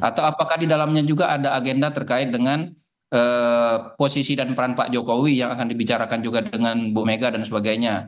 atau apakah di dalamnya juga ada agenda terkait dengan posisi dan peran pak jokowi yang akan dibicarakan juga dengan bu mega dan sebagainya